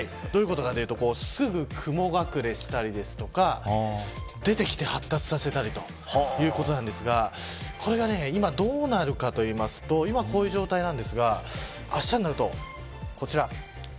どういうことかというとすぐ雲隠れしたりですとか出てきて発達させたりとかいうことなんですがこれが今どうなるかと言いますと今、こういう状態ですがあしたになるとこちら。